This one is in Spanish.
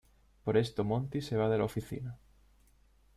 Por esto Monty se va de la oficina.